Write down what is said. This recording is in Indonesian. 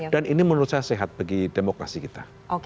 dan ini menurut saya sehat bagi demokrasi kita